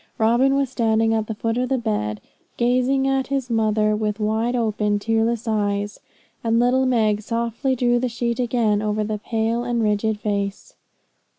Robin was standing at the foot of the bed, gazing at his mother with wide open, tearless eyes; and little Meg softly drew the sheet again over the pale and rigid face.